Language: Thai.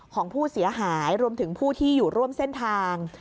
ของผู้เสียหายรวมถึงผู้ที่อยู่ร่วมเส้นทาง